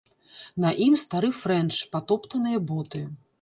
На ім стары фрэнч, патоптаныя боты.